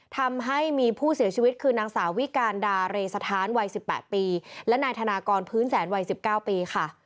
ทำให้มีผู้เสียชีวิตคือนางสาววิการดาเรสถานวัย๑๘ปีและนายธนากรพื้นแสนวัย๑๙ปีค่ะ